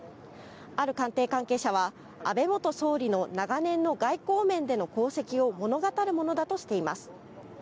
ある官邸関係者は、安倍元総理の長年の外交面での功績を物語るものだとしています。